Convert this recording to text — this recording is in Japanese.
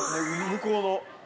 向こうの。